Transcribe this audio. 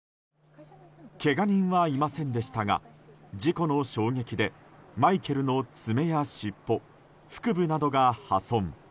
けが人はいませんでしたが事故の衝撃でマイケルの爪やしっぽ腹部などが破損。